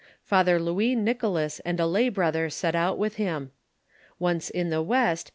Father Louis Nicholas, and a lay brother set out with him. Once in the west.